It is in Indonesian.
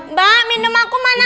mbak minum aku mana